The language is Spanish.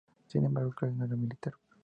Sin embargo, Claudio no era militar.